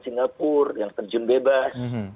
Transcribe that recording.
singapura yang terjun bebas